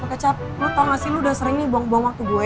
botol kecap lo tau gak sih lo udah sering nih buang buang waktu gue